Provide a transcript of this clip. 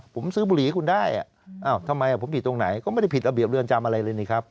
ผมซื้อบุหรี่ให้คุณได้ทำไมผมผิดตรงไหนก็ไม่ได้ผิดระเบียบเรือนจำอะไรเลยนี่ครับ